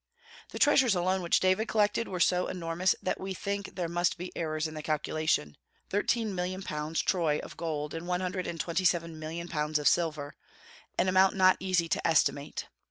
The treasures alone which David collected were so enormous that we think there must be errors in the calculation, thirteen million pounds Troy of gold, and one hundred and twenty seven million pounds of silver, an amount not easy to estimate.